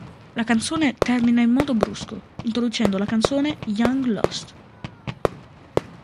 La canzone termina in modo brusco, introducendo la canzone "Young Lust".